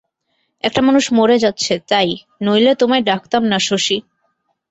একটা মানুষ মরে যাচ্ছে, তাই, নইলে তোমায় ডাকতাম না শশী।